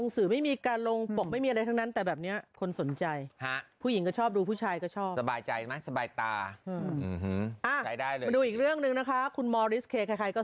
ส้มตำร้านที่ยางไก่ย่างครับแม่